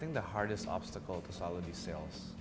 saya pikir hal paling sukar untuk selalu di sales